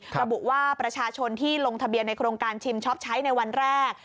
ระบุว่าประชาชนที่ลงทะเบียนในโครงการชิมช็อปใช้ในวันแรก